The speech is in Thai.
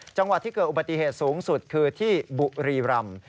จังหวัดที่เกิดอุบัติเหตุสูงสุดคือที่บุรีรำ